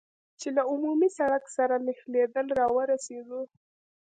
چې له عمومي سړک سره نښلېدل را ورسېدو.